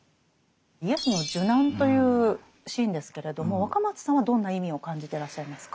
イエスの受難というシーンですけれども若松さんはどんな意味を感じてらっしゃいますか？